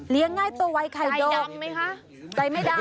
เลี้ยงง่ายโตไว้ไก่เติร์ฟไก่ดำไหมคะ